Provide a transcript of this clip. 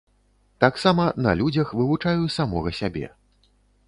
Таксама на людзях вывучаю самога сябе.